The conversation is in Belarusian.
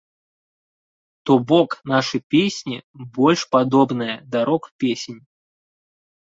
То бок нашы песні больш падобныя да рок-песень.